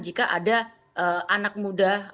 jika ada anak muda